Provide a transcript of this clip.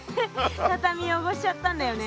たたみよごしちゃったんだよね。